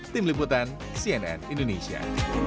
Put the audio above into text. tim liputan cnn indonesia